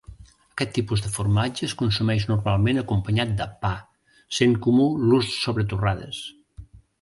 Aquest tipus de formatge es consumeix normalment acompanyat de pa, sent comú l'ús sobre torrades.